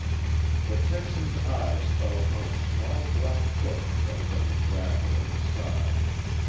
The Texan's eyes fell upon a small black book that was on the gravel at his side.